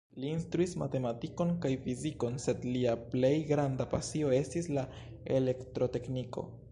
Li instruis matematikon kaj fizikon, sed lia plej granda pasio estis la elektrotekniko.